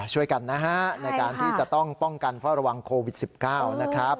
ช่วยกันนะฮะในการที่จะต้องป้องกันเพราะระวังโควิด๑๙นะครับ